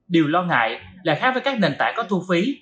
điều lo ngại là khác với các nền tảng có thu phí